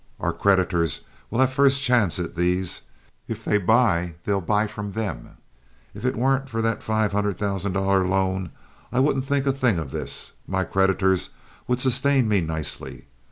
Our creditors will have first chance at these. If they buy, they'll buy from them. If it weren't for that five hundred thousand dollar loan I wouldn't think a thing of this. My creditors would sustain me nicely.